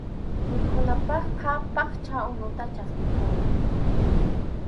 Mikhunapaqqa phaqcha unuta chaskikuna.